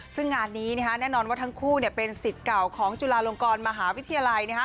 ซึ่งงานนี้แน่นอนว่าทั้งคู่เป็นสิทธิ์เก่าของจุฬาลงกรมหาวิทยาลัย